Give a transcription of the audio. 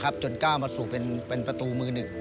ก็ฝากถึงอ้ำด้วยแล้วกันว่าอย่าหยุดพัฒนาตัวเองให้เป็นอย่างนี้ตลอดไป